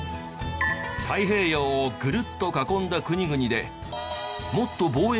太平洋をぐるっと囲んだ国々で。